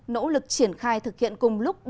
nỗ lực triển khai thực hiện cùng lúc